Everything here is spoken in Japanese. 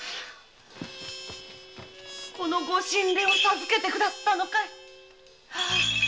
このご神鈴を授けてくださったのかい？